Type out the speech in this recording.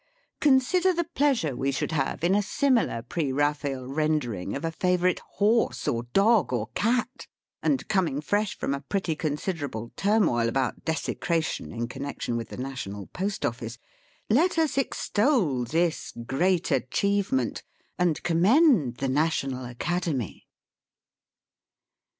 Consider the pleasure we should have in a similar Pre Eaphael rendering of a favourite horse, or dog, or cat ; and, coming fresh from a pretty considerable turmoil sJbout "desecration " in connexion with the National PostOffice, let us extol this great achievement, and commend the National Academy